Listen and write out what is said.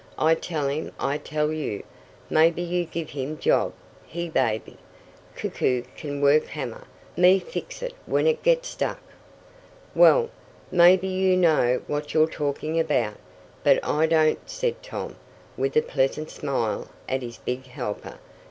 I tell him I tell you, maybe you give him job he baby! Koku can work hammer. Me fix it when it get stuck." "Well, maybe you know what you're talking about, but I don't," said Tom, with a pleasant smile at his big helper.